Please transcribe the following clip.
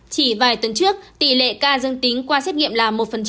chỉ vài tuần trước tỷ lệ ca dương tính qua xét nghiệm là một